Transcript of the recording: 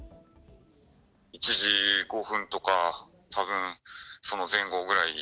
１時５分とか、たぶんその前後ぐらい。